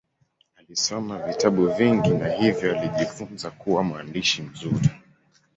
Alisoma vitabu vingi na hivyo alijifunza kuwa mwandishi mzuri.